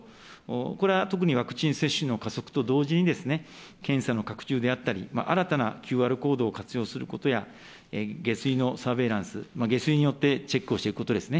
これは特にワクチン接種の加速と同時に、検査の拡充であったり、新たなＱＲコードを活用することや、下水のサーベイランス、下水によってチェックをしていくことですね。